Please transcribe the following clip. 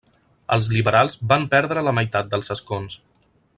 Els liberals van perdre la meitat dels escons.